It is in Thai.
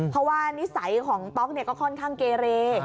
เพราะว่านิสัยของต๊อกก็ค่อนข้างเกเร